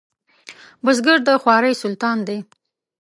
بزګر د خوارۍ سلطان دی